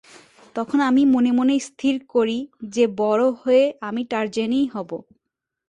তখন আমি মনে মনে স্থির করি যে বড় হয়ে আমি টারজানই হব।